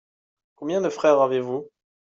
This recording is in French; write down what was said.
Combien de frères avez-vous ?